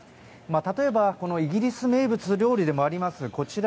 例えばイギリス名物料理でもあります